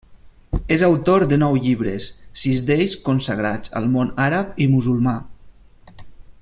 És autor de nou llibres, sis d'ells consagrats al món àrab i musulmà.